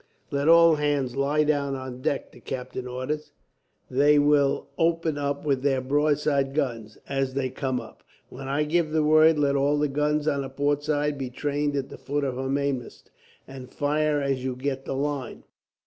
"Let all hands lie down on deck," the captain ordered. "They will open with their broadside guns, as they come up. When I give the word, let all the guns on the port side be trained at the foot of her mainmast, and fire as you get the line.